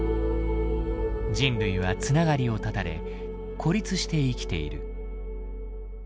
人類は繋がりを断たれ孤立して生きている。